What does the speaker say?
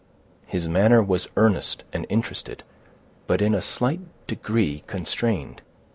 His manner was earnest and interested, but in a slight degree constrained.